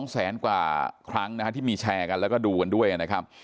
แสนกว่าครั้งนะฮะที่มีแชร์กันแล้วก็ดูกันด้วยนะครับ